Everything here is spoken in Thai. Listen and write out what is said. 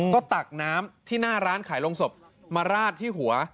ก็ตักน้ำที่หน้าร้านขายโรงศพมาราดที่หัว